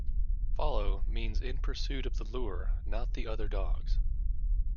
"Follow" means in pursuit of the lure, not the other dogs.